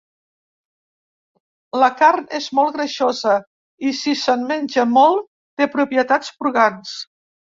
La carn és molt greixosa i, si se'n menja molt, té propietats purgants.